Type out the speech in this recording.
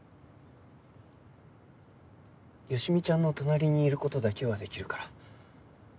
好美ちゃんの隣にいる事だけはできるから。